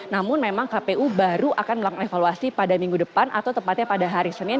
namun memang kpu baru akan melakukan evaluasi pada minggu depan atau tepatnya pada hari senin